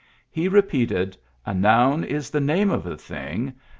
He repeated "a noun is the ^H&me of a thing